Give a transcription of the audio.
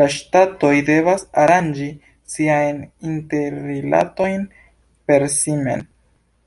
La ŝtatoj devas aranĝi siajn interrilatojn per si mem.